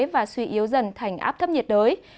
và suy yếu dần thành áp thấp nhiệt đới